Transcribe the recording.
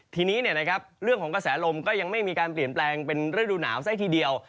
ทีนี้เรื่องของกระแสลมก็ยังไม่มีการเปลี่ยนแปลงเป็นฤดูหนาวซะทีเดียว